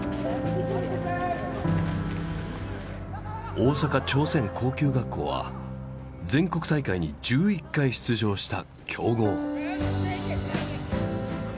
大阪朝鮮高級学校は全国大会に１１回出場した強豪。